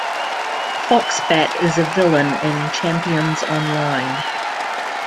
Foxbat is a villain in "Champions Online".